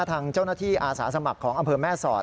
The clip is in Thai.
ทางเจ้าหน้าที่อาสาสมัครของอำเภอแม่สอด